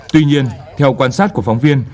tuy nhiên theo quan sát của phóng viên